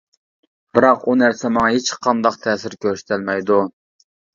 بىراق ئۇ نەرسە ماڭا ھېچقانداق تەسىر كۆرسىتەلمەيدۇ.